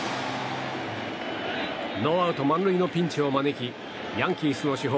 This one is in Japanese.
ノーアウト満塁のピンチを招きヤンキースの主砲